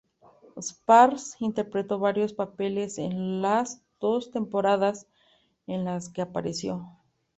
Spears interpretó varios papeles en las dos temporadas en las que apareció.